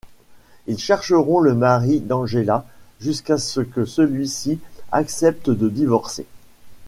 Ils chercheront le mari d'Angela jusqu'à que celui-ci accepte de divorcer.